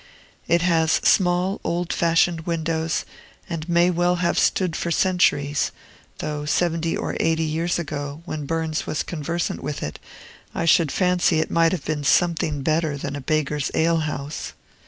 It has small, old fashioned windows, and may well have stood for centuries, though, seventy or eighty years ago, when Burns was conversant with it, I should fancy it might have been something better than a beggars' alehouse.